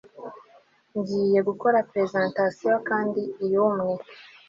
ngiye gukora presentation kandi iyumwe